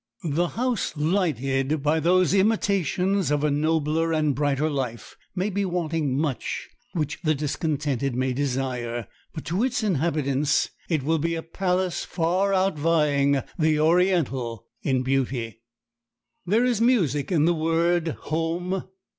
The house lighted by those imitations of a nobler and brighter life may be wanting much which the discontented may desire, but to its inhabitants it will be a palace far outvying the Oriental in beauty. There is music in the word Home.